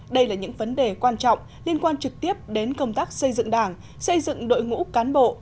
đây là những vấn đề quan trọng liên quan trực tiếp đến công tác xây dựng đảng xây dựng đội ngũ cán bộ